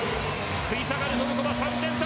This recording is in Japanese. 食い下がるトルコ３点差。